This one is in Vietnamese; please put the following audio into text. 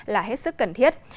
là hết sức cần thiết